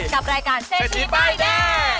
กับรายการเศรษฐีป้ายแดง